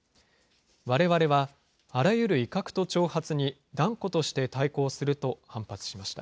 われわれはあらゆる威嚇と挑発に断固として対抗すると反発しました。